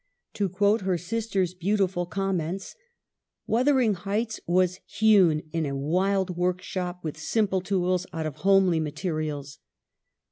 To quote her sister's beautiful comments —< WUTHERING HEIGHTS.' 227 "' Wuthering Heights' was hewn in a wild workshop, with simple tools, out of homely mate rials.